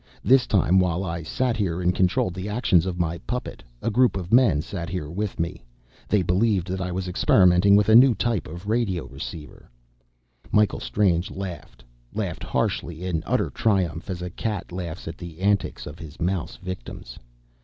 This time, while I sat here and controlled the actions of my puppet, a group of men sat here with me. They believed that I was experimenting with a new type of radio receiver!" Michael Strange laughed, laughed harshly, in utter triumph, as a cat laughs at the antics of his mouse victims.